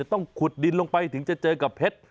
ต้องขุดดินลงไปถึงจะเจอกับเพชร